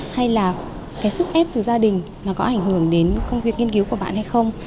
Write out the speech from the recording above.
hay là cái sức ép từ gia đình nó có ảnh hưởng đến công việc nghiên cứu của bạn hay không